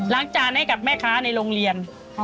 จานให้กับแม่ค้าในโรงเรียน